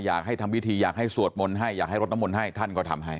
อยากให้ทำพิธีอยากให้สวดมนต์ให้อยากให้รดน้ำมนต์ให้ท่านก็ทำให้